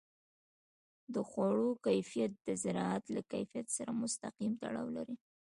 د خوړو کیفیت د زراعت له کیفیت سره مستقیم تړاو لري.